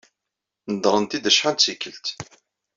Nedṛen-t-id acḥal d tikelt.